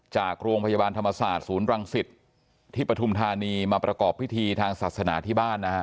จากโรงพยาบาลธรรมศาสตร์ศูนย์รังสิตที่ปฐุมธานีมาประกอบพิธีทางศาสนาที่บ้านนะฮะ